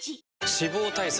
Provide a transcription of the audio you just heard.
脂肪対策